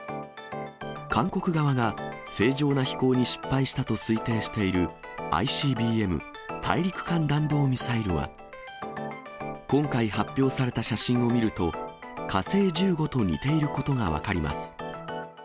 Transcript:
韓国側が、正常な飛行に失敗したと推定しているＩＣＢＭ・大陸間弾道ミサイルは、今回発表された写真を見ると、火星１５と似ていることが分かります。